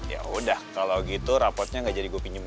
ya udah kalo gitu rapotnya ga jadi gue pinjemin